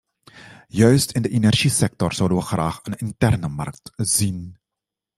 Juist in de energiesector zouden wij graag een interne markt zien.